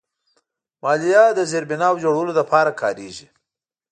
مالیه د زیربناوو جوړولو لپاره کارېږي.